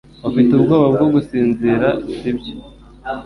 Ufite ubwoba bwo gusinzira si byo